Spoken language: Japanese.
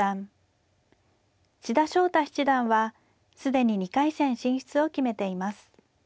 千田翔太七段は既に２回戦進出を決めています。